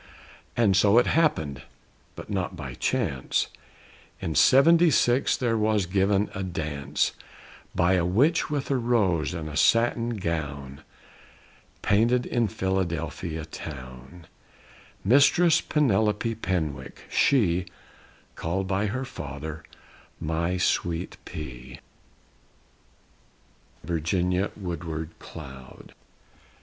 And so it happened (but not by chance), In '76 there was given a dance By a witch with a rose and a satin gown (Painted in Philadelphia town), Mistress Penelope Penwick, she, Called by her father, "My Sweet P." VIRGINIA WOODWARD CLOUD.